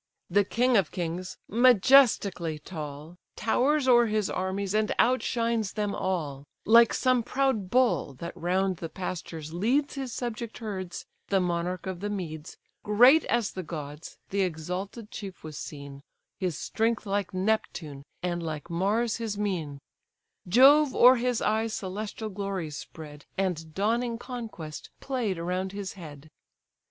The king of kings, majestically tall, Towers o'er his armies, and outshines them all; Like some proud bull, that round the pastures leads His subject herds, the monarch of the meads, Great as the gods, the exalted chief was seen, His strength like Neptune, and like Mars his mien; Jove o'er his eyes celestial glories spread, And dawning conquest played around his head.